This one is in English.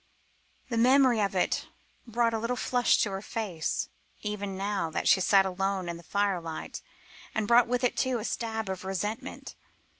The memory of it brought a little flush to her face, even now that she sat alone in the firelight, and brought with it, too, a stab of resentment.